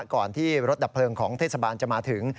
ก่อนที่รถดับเพลิงของเทศบาลจะมาถึง